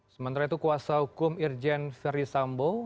sementara itu kuasa hukum irjen ferdisambo